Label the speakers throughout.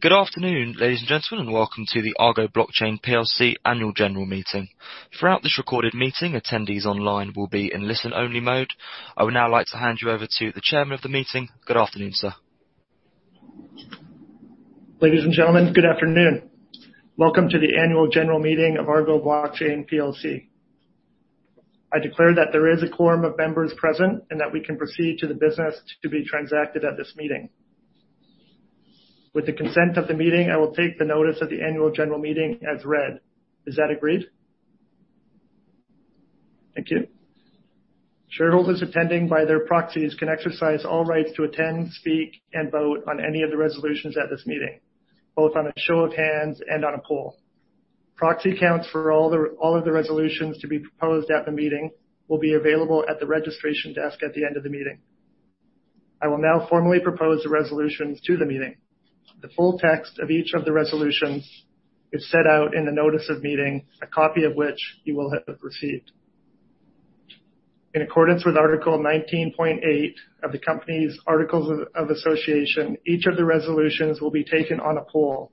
Speaker 1: Good afternoon, ladies and gentlemen, and welcome to the Argo Blockchain plc Annual General Meeting. Throughout this recorded meeting, attendees online will be in listen-only mode. I would now like to hand you over to the chairman of the meeting. Good afternoon, sir.
Speaker 2: Ladies and gentlemen, good afternoon. Welcome to the annual general meeting of Argo Blockchain plc. I declare that there is a quorum of members present and that we can proceed to the business to be transacted at this meeting. With the consent of the meeting, I will take the notice of the annual general meeting as read. Is that agreed? Thank you. Shareholders attending by their proxies can exercise all rights to attend, speak, and vote on any of the resolutions at this meeting, both on a show of hands and on a poll. Proxy accounts for all of the resolutions to be proposed at the meeting will be available at the registration desk at the end of the meeting. I will now formally propose the resolutions to the meeting. The full text of each of the resolutions is set out in the notice of meeting, a copy of which you will have received. In accordance with Article 19.8 of the company's articles of association, each of the resolutions will be taken on a poll.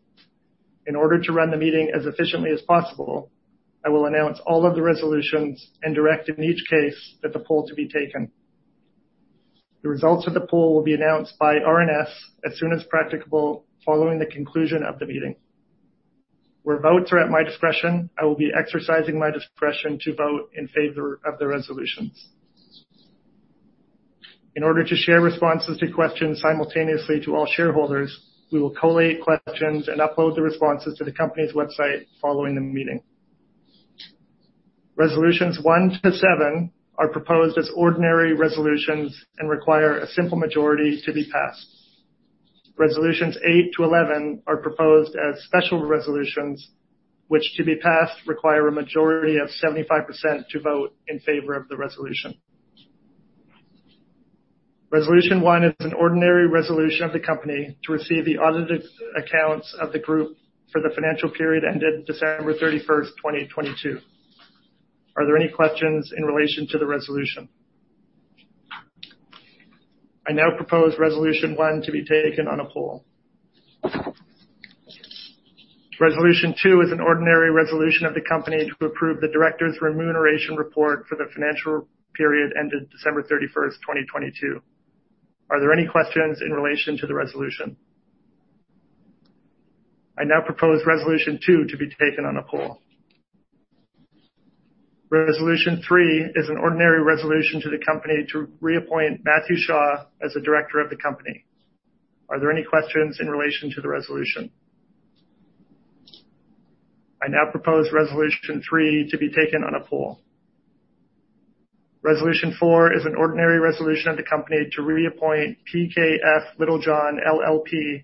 Speaker 2: In order to run the meeting as efficiently as possible, I will announce all of the resolutions and direct in each case that the poll to be taken. The results of the poll will be announced by RNS as soon as practicable, following the conclusion of the meeting. Where votes are at my discretion, I will be exercising my discretion to vote in favor of the resolutions. In order to share responses to questions simultaneously to all shareholders, we will collate questions and upload the responses to the company's website following the meeting. Resolutions 1-7 are proposed as ordinary resolutions and require a simple majority to be passed. Resolutions 8-11 are proposed as special resolutions, which to be passed, require a majority of 75% to vote in favor of the resolution. Resolution 1 is an ordinary resolution of the company to receive the audited accounts of the group for the financial period ended December 31st, 2022. Are there any questions in relation to the resolution? I now propose resolution 1 to be taken on a poll. Resolution 2 is an ordinary resolution of the company to approve the directors' remuneration report for the financial period ended December 31st, 2022. Are there any questions in relation to the resolution? I now propose resolution 2 to be taken on a poll. Resolution 3 is an ordinary resolution to the company to reappoint Matthew Shaw as a director of the company. Are there any questions in relation to the resolution? I now propose resolution 3 to be taken on a poll. Resolution 4 is an ordinary resolution of the company to reappoint PKF Littlejohn LLP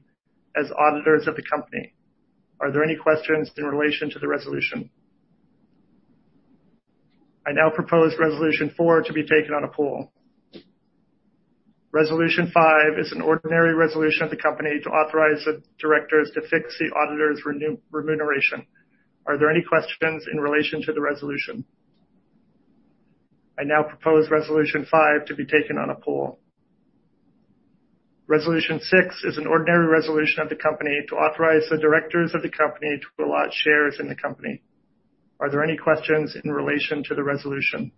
Speaker 2: as auditors of the company. Are there any questions in relation to the resolution? I now propose resolution 4 to be taken on a poll. Resolution 5 is an ordinary resolution of the company to authorize the directors to fix the auditors remuneration. Are there any questions in relation to the resolution? I now propose resolution 5 to be taken on a poll. Resolution 6 is an ordinary resolution of the company to authorize the directors of the company to allot shares in the company. Are there any questions in relation to the resolution?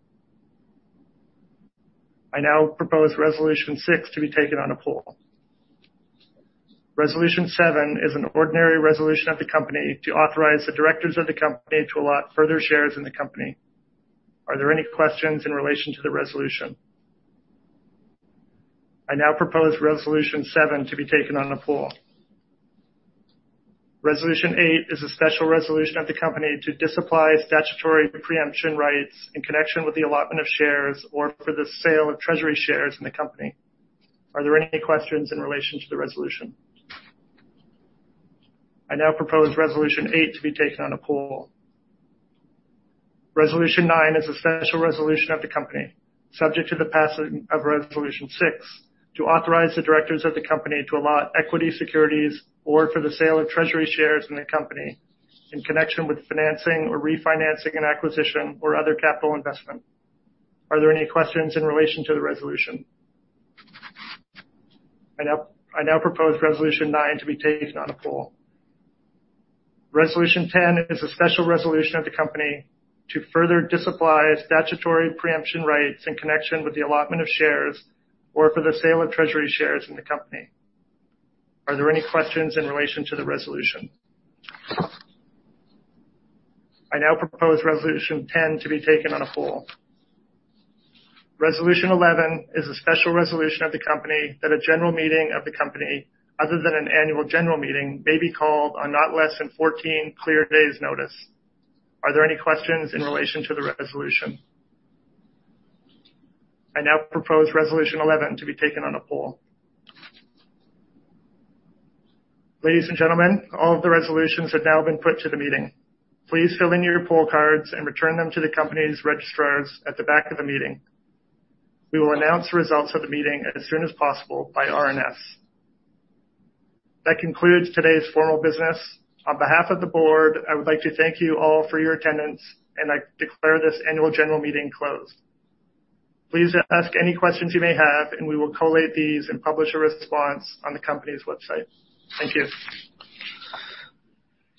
Speaker 2: I now propose resolution six to be taken on a poll. Resolution 7 is an ordinary resolution of the company to authorize the directors of the company to allot further shares in the company. Are there any questions in relation to the resolution? I now propose resolution seven to be taken on a poll. Resolution eight is a special resolution of the company to disapply statutory pre-emption rights in connection with the allotment of shares or for the sale of treasury shares in the company. Are there any questions in relation to the resolution? I now propose resolution eight to be taken on a poll. Resolution 9 is a special resolution of the company, subject to the passing of Resolution 6, to authorize the directors of the company to allot equity securities or for the sale of treasury shares in the company in connection with financing or refinancing an acquisition or other capital investment. Are there any questions in relation to the resolution? I now propose Resolution 9 to be taken on a poll. Resolution 10 is a special resolution of the company to further disapply statutory pre-emption rights in connection with the allotment of shares or for the sale of treasury shares in the company. Are there any questions in relation to the resolution? I now propose Resolution 10 to be taken on a poll. Resolution 11 is a special resolution of the company that a general meeting of the company, other than an annual general meeting, may be called on not less than 14 clear days' notice. Are there any questions in relation to the resolution? I now propose resolution 11 to be taken on a poll. Ladies and gentlemen, all of the resolutions have now been put to the meeting. Please fill in your poll cards and return them to the company's registrars at the back of the meeting. We will announce the results of the meeting as soon as possible by RNS. That concludes today's formal business. On behalf of the board, I would like to thank you all for your attendance, I declare this annual general meeting closed. Please ask any questions you may have, and we will collate these and publish a response on the company's website. Thank you.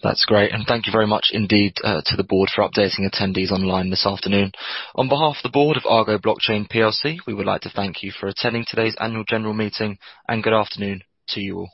Speaker 1: That's great, and thank you very much indeed, to the board for updating attendees online this afternoon. On behalf of the board of Argo Blockchain plc, we would like to thank you for attending today's annual general meeting, and good afternoon to you all.